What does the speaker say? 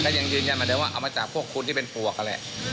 ก็ยังยืนยันว่าเอามาจากพวกคุณที่เป็นปลวกนั่นแหละ